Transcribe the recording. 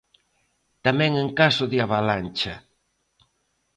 Tamén en caso de avalancha.